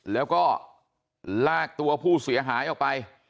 แล้วก็ลากตัวผู้เสียหายออกไป